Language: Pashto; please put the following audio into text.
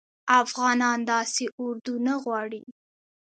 افغانان داسي اردوه نه غواړي